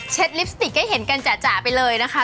ลิปสติกให้เห็นกันจ่ะไปเลยนะคะ